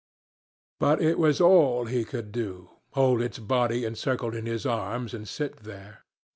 But it was all he could do, hold its body encircled in his arms and sit there.